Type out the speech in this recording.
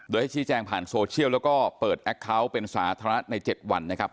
โดยให้ชี้แจงผ่านโซเชียลแล้วก็เปิดแอคเคาน์เป็นสาธารณะใน๗วันนะครับ